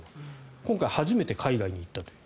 今回初めて海外に行ったという。